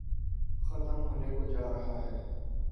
ختم ہونے کوجارہاہے۔